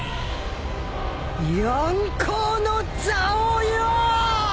四皇の座をよぉ！